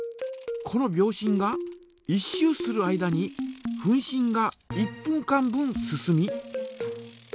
この秒針が１周する間に分針が１分間分進み。